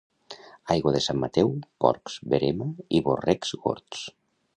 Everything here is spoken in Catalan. Aigua de Sant Mateu, porcs, verema i borrecs «gords».